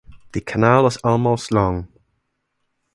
The canal is almost long.